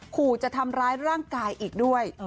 ขู่จะทำร้ายร่างกายอีกด้วย